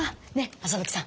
麻吹さん！